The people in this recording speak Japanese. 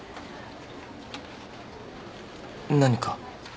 何か。